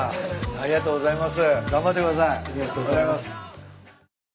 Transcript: ありがとうございます。